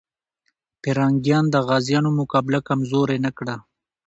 پرنګیان د غازيانو مقابله کمزوري نه کړه.